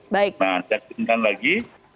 baik nah cekupan lagi